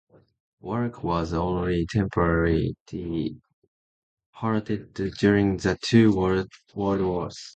Work was only temporarily halted during the two world wars.